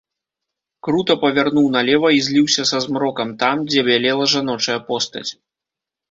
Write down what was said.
Крута павярнуў налева і зліўся са змрокам там, дзе бялела жаночая постаць.